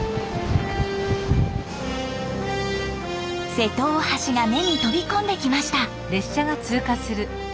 瀬戸大橋が目に飛び込んできました。